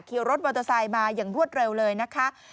รถมอเตอร์ไซค์มาอย่างรวดเร็วเลยนะคะ